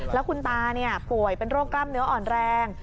แล้วคุณตาป่วยเป็นโรคกล้ามเนื้ออ่อนแรง